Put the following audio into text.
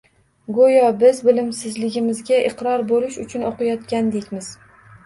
Go‘yo biz bilimsizligimizga iqror bo‘lish uchun o‘qiyotgandekmiz.